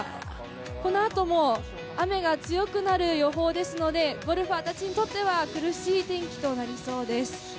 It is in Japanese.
このあとも雨が強くなる予報ですので、ゴルファーたちにとっては苦しい天気となりそうです。